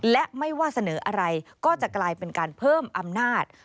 และไม่ว่าเสนออะไรก็จะกลายเป็นการเพิ่มอำนาจ